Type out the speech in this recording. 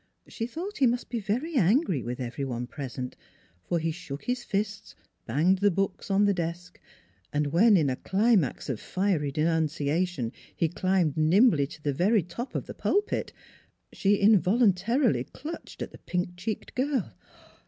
She thought he must be very angry with every one present, for he shook his fists, banged the books on the desk, NEIGHBORS 257 and when in a climax of fiery denunciation he climbed nimbly to the very top of the pulpit, she involuntarily clutched at the pink cheeked girl.